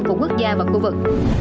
của quốc gia và khu vực